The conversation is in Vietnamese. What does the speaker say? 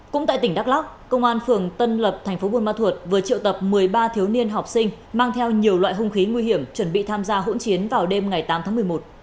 cũng tại tỉnh đắk lóc công an phường tân lập thành phố buôn ma thuột vừa triệu tập một mươi ba thiếu niên học sinh mang theo nhiều loại hung khí nguy hiểm chuẩn bị tham gia hỗn chiến vào đêm ngày tám tháng một mươi một